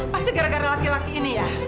pasti gara gara laki laki ini ya